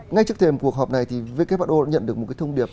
ngay trước thềm cuộc họp này thì who đã nhận được một cái thông điệp